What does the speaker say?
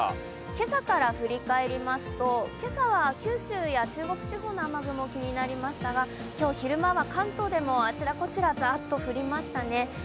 今朝から振り返りますと今朝は九州や中国地方の雨雲気になりましたが、今日、昼間は関東でもあちらこちらザッと降りましたね。